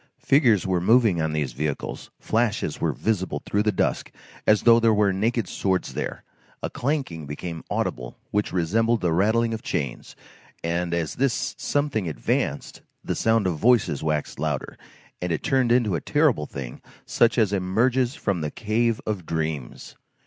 Figures were moving on these vehicles, flashes were visible through the dusk as though there were naked swords there, a clanking became audible which resembled the rattling of chains, and as this something advanced, the sound of voices waxed louder, and it turned into a terrible thing such as emerges from the cave of dreams.